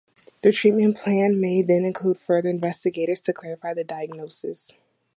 The treatment plan may then include further investigations to clarify the diagnosis.